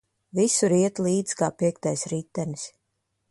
Visur iet līdz kā piektais ritenis.